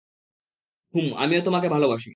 হুম, আমিও তোমাকে ভালোবাসি।